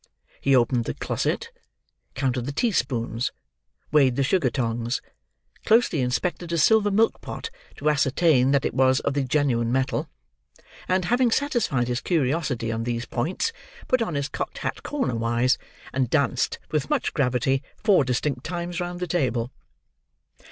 He opened the closet, counted the teaspoons, weighed the sugar tongs, closely inspected a silver milk pot to ascertain that it was of the genuine metal, and, having satisfied his curiosity on these points, put on his cocked hat corner wise, and danced with much gravity four distinct times round the table.